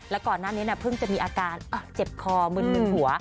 แล้วก่อนหน้านี้เพิ่งจะมีอาการเจ็บคอมึนหัว